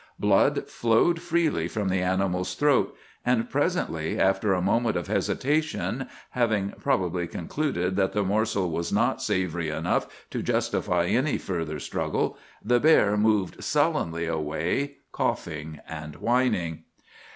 Blood flowed freely from the animal's throat; and presently, after a moment of hesitation, having probably concluded that the morsel was not savory enough to justify any further struggle, the bear moved sullenly away, coughing and whining.